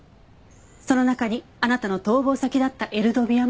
その中にあなたの逃亡先だったエルドビアも含まれていました。